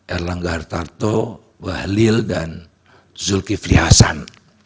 erlangga hartarto bahlil dan zulkifli hasan